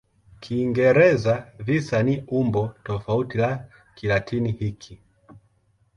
Kiingereza "visa" ni umbo tofauti la Kilatini hiki.